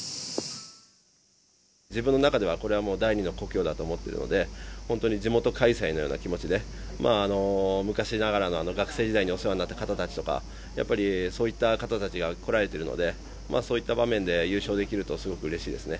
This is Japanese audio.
自分の中では第２の故郷だと思っているので、地元開催のような気持ちで、昔ながらの学生時代にお世話になった方達とか、そういった方たちが来られているので、そういう場面で優勝できると、すごくうれしいですね。